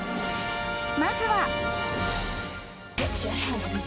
［まずは］